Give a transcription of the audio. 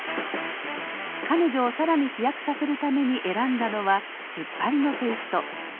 彼女を更に飛躍させるために選んだのはツッパリのテイスト。